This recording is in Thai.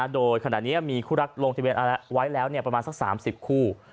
โดยขณะนี้มีคู่รักลงทะเบียนไว้แล้วประมาณสัก๓๐คู่